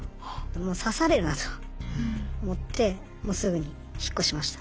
もう刺されるなと思ってもうすぐに引っ越しました。